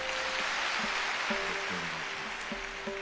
よろしくお願いします。